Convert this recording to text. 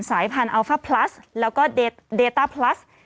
สายพันธุอัลฟ่าพลัสแล้วก็เดต้าพลัส